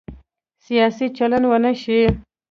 سیاسي چلند ونه شي.